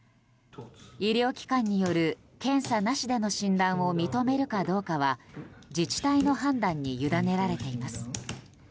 医療機関による検査なしでの診断を認めるかどうかは自治体の判断にゆだねられています。